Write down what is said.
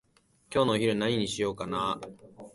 今日のお昼何にしようかなー？